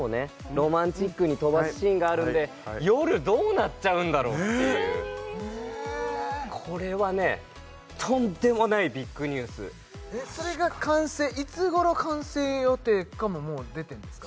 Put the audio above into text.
ロマンチックに飛ばすシーンがあるんで夜どうなっちゃうんだろうというねっこれはねとんでもないビッグニュースそれが完成いつ頃完成予定かももう出てんですか？